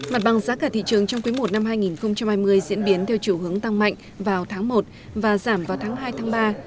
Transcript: mặt bằng giá cả thị trường trong quý i năm hai nghìn hai mươi diễn biến theo chủ hướng tăng mạnh vào tháng i và giảm vào tháng ii iii